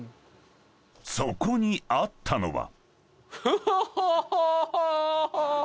［そこにあったのは］